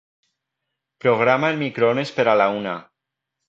Programa el microones per a la una.